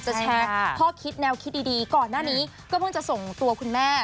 แชร์ข้อคิดแนวคิดดีก่อนหน้านี้ก็เพิ่งจะส่งตัวคุณแม่